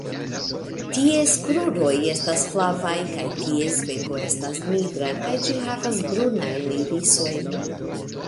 Ties kruroj estas flavaj, kaj ties beko estas nigra, kaj ĝi havas brunajn irisojn.